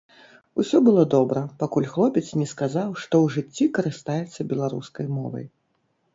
Усё было добра, пакуль хлопец не сказаў, што ў жыцці карыстаецца беларускай мовай.